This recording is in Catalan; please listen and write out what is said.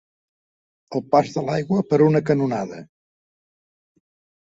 El pas de l'aigua per una canonada.